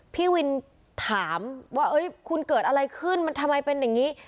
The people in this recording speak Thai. พี่วินถามว่าคุณเกิดอะไรขึ้นมันทำไมเป็นอย่างนี้